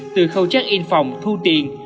từ khâu trác in phòng thu tiền